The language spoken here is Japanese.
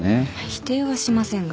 否定はしませんが。